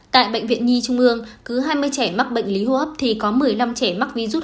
tại bệnh viện nhi trung ương cứ hai mươi trẻ mắc bệnh lý hô hấp thì có một mươi năm trẻ mắc virus